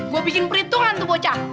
gue bikin perhitungan tuh bocah